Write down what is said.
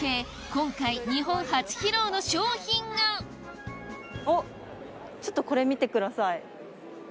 今回日本初披露の商品があっちょっとこれ見てください。